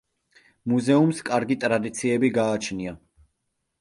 მუზეუმს კარგი ტრადიციები გააჩნია.